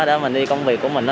để mình đi công việc của mình